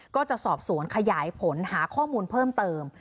ก็จะสอบสวนขยายผลหาข้อมูลเพิ่มเติม